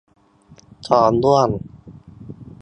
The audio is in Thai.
ท้องร่วง